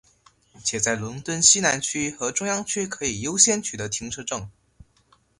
且在伦敦西南区和中央区可以优先取得停车证。